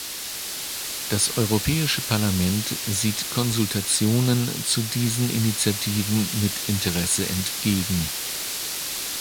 Das Europäische Parlament sieht Konsultationen zu diesen Initiativen mit Interesse entgegen.